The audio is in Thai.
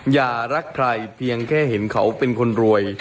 อย่ารักใครเพียงแค่เห็นเขาเป็นคนรวย